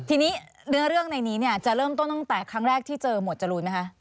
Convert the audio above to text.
ทีนี้เนื้อเรื่องในนี้เนี่ยจะเริ่มต้นตั้งแต่ครั้งแรกที่เจอหมวดจรูนไหมคะ